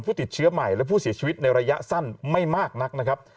ผู้ติดเชื้อใหม่และผู้เสียชีวิตในระยะสั้นไม่มากนักนะครับ